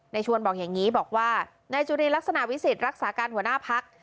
ชวนบอกอย่างนี้บอกว่านายจุรีลักษณะวิสิทธิ์รักษาการหัวหน้าพัก